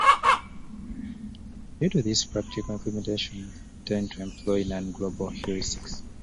Due to this, practical implementations tend to employ non-global heuristics.